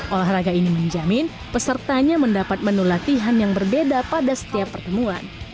olahraga ini menjamin pesertanya mendapat menu latihan yang berbeda pada setiap pertemuan